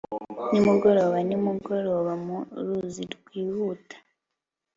Nimugoroba nimugoroba mu ruzi rwihuta